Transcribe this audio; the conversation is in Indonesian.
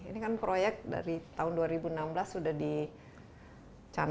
ini kan proyek dari tahun dua ribu enam belas sudah dicanakan